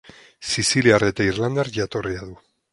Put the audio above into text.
Siziliar eta irlandar jatorria du.